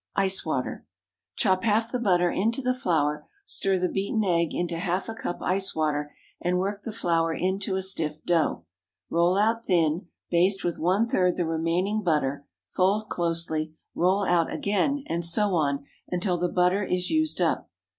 Ice water. Chop half the butter into the flour; stir the beaten egg into half a cup ice water, and work the flour into a stiff dough; roll out thin, baste with one third the remaining butter, fold closely, roll out again, and so on until the butter is used up.